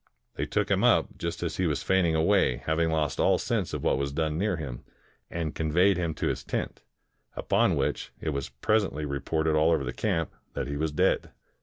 They took him up, just as he was fainting away, haxing lost all sense of what was done near him, and conveyed him to his tent, upon which it was presently reported all over the camp that he was dead.